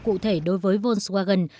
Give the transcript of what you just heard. cụ thể đối với volkswagen